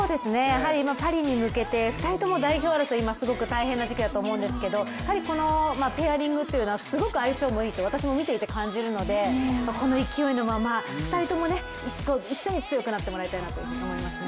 パリに向けて２人とも代表争い、すごく大変な時期だと思いますけどやはりこのペアリングというのはすごく相性がいいと私も見ていて感じるのでこの勢いのまま、２人とも一緒に強くなってほしいなと思いますね。